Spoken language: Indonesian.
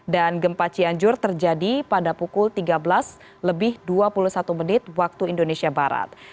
dan gempa cianjur terjadi pada pukul tiga belas lebih dua puluh satu menit waktu indonesia barat